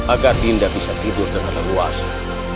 agar dinda bisa tidur dengan leluasa